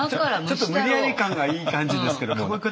無理やり感がいい感じですけども。